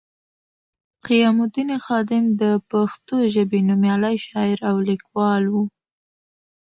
قیام الدین خادم د پښتو ژبې نومیالی شاعر او لیکوال وو